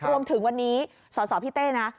รวมถึงวันนี้สสพี่เต้นะ